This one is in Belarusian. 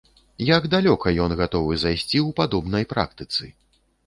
Як далёка ён гатовы зайсці ў падобнай практыцы?